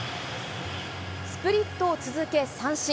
スプリットを続け、三振。